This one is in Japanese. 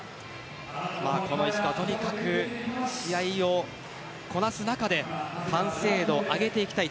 この石川はとにかく試合をこなす中で完成度を上げていきたい。